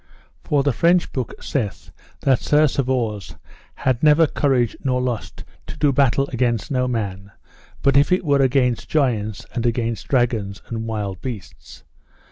For the French book saith, that Sir Servause had never courage nor lust to do battle against no man, but if it were against giants, and against dragons, and wild beasts.